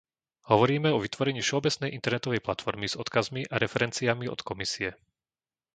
Hovoríme o vytvorení všeobecnej internetovej platformy s odkazmi a referenciami od Komisie.